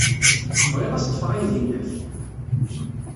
Tebɣiḍ ad as-ḍḍfeɣ aydi-nnek?